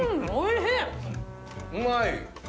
うまい！